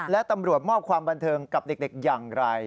และตำรวจมอบความบันเทิงกับเด็กอย่างไร